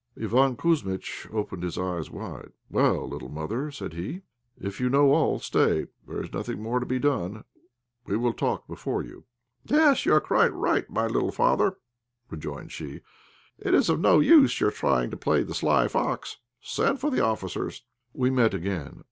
Iván Kouzmitch opened his eyes wide. "Well, little mother," said he, "if you know all, stay; there is nothing more to be done, we will talk before you." "Yes, you are quite right, my little father," rejoined she; "it is of no use your trying to play the sly fox. Send for the officers." We again met.